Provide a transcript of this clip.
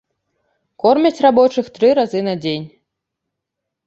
Кормяць рабочых тры разы на дзень.